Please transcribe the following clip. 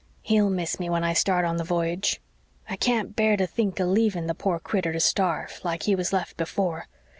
"HE'll miss me when I start on the V'yage. I can't bear to think of leaving the poor critter to starve, like he was left before.